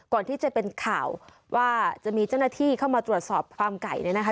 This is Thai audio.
ก่อนที่จะเป็นข่าวว่าจะมีเจ้าหน้าที่เข้ามาตรวจสอบฟาร์มไก่เนี่ยนะคะ